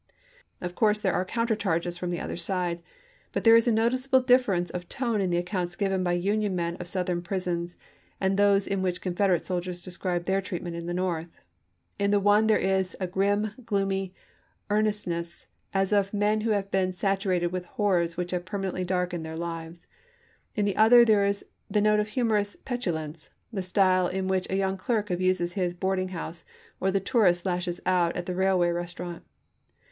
Of course there are counter charges from the other side; but there is a noticeable difference of tone in the accounts given by Union men of Southern prisons and those in which Confederate soldiers describe their treatment in the North; in the one there is a grim, gloomy earnestness, as of men who have been saturated with horrors which have permanently darkened their lives ; in the other there is the note of humorous petulance, the style in which a young clerk abuses his boarding house, or the tourist lashes out at the railway restaurant.